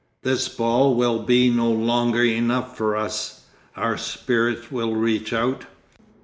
This ball will be no longer enough for us; our spirit will reach out....